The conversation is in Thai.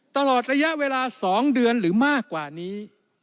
ตลอดระยะเวลา๒เดือนหรือมากกว่านี้